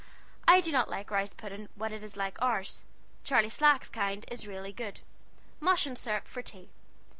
I do not like rice puding when it is like ours. Charley Slack's kind is rele good. Mush and sirup for tea.